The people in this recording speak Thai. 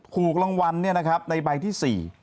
ขูดรางวัลเนี่ยนะครับในใบที่๔